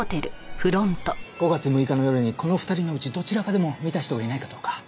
５月６日の夜にこの２人のうちどちらかでも見た人がいないかどうか。